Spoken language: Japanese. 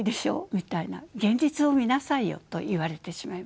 みたいな「現実を見なさいよ」と言われてしまいます。